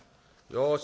よし。